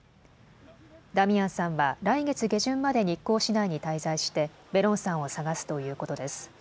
ダミアンさんは来月下旬まで日光市内に滞在してベロンさんを捜すということです。